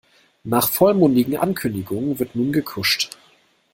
Nach vollmundigen Ankündigungen wird nun gekuscht.